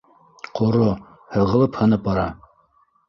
Ҡоро, һығылып, һынып бара.